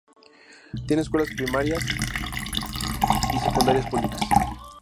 Tiene escuelas primarias y secundarias públicas.